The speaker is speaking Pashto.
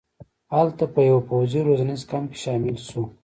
هلته په یوه پوځي روزنیز کمپ کې شامل شو.